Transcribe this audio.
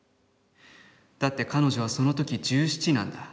だって彼女はその時十七なんだ。